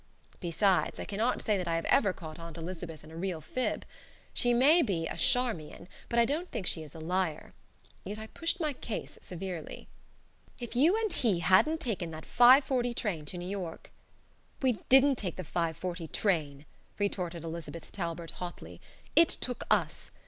Besides, I cannot say that I have ever caught Aunt Elizabeth in a real fib. She may be a "charmian," but I don't think she is a liar. Yet I pushed my case severely. "If you and he hadn't taken that 5.40 train to New York " "We didn't take the 5.40 train," retorted Elizabeth Talbert, hotly. "It took us.